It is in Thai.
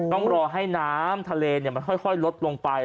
ต้องรอให้น้ำทะเลมันค่อยลดลงไป